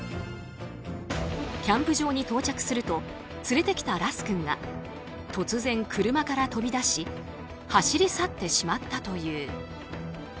キャンプ場に到着すると連れてきたラス君が突然、車から飛び出し走り去ってしまったという。